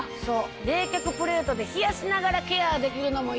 冷却プレートで冷やしながらケアできるのもいいよね。